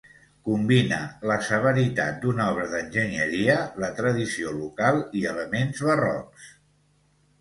Combina la severitat d'una obra d'enginyeria, la tradició local i elements barrocs.